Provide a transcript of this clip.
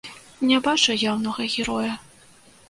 Не бачу яўнага героя.